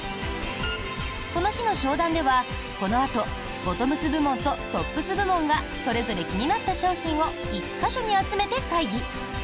この日の商談では、このあとボトムス部門とトップス部門がそれぞれ気になった商品を１か所に集めて会議。